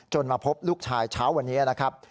มาพบลูกชายเช้าวันนี้นะครับ